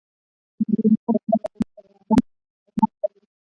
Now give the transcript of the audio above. د درویش صاحب دغه بیت شاعرانه عظمت لري.